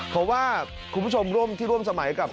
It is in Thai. เพราะว่าคุณผู้ชมร่วมที่ร่วมสมัยกับ